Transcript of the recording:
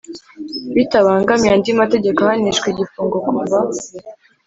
Bitabangamiye andi mategeko ahanishwa igifungo kuva